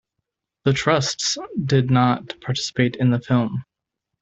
The Trusts did not participate in the film.